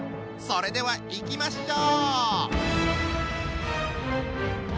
それではいきましょう！